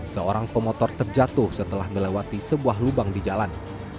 seorang pemotor terjatuh setelah melewati sebuah lubang di jalan